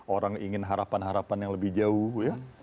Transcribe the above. orang ingin harapan harapan yang lebih jauh ya